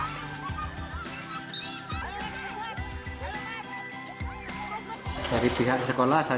najib mengatakan bahwa dia tidak berguna dengan anak anak yang lain